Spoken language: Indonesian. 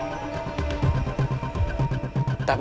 tidak ada apa apa